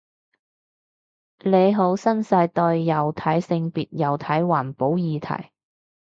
你好新世代，又睇性別又睇環保議題